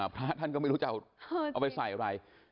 พระท่านก็ไม่รู้จะเอาไปใส่อะไร